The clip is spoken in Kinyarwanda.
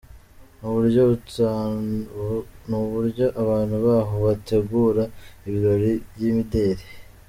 n’uburyo abantu baho bategura ibirori by’imideli.